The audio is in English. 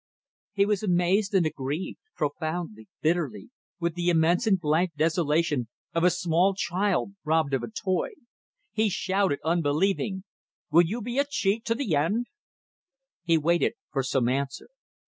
... He was amazed and aggrieved profoundly, bitterly with the immense and blank desolation of a small child robbed of a toy. He shouted unbelieving: "Will you be a cheat to the end?" He waited for some answer.